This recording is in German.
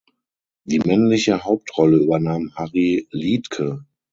Die männliche Hauptrolle übernahm Harry Liedtke.